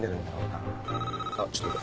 あっちょっと。